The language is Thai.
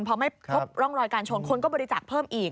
พอไม่พบร่องรอยการชนคนก็บริจาคเพิ่มอีก